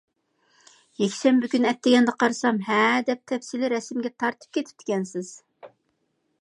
يەكشەنبە كۈنى ئەتىگەندە قارىسام، ھەدەپ تەپسىلىي رەسىمگە تارتىپ كېتىپتىكەنسىز.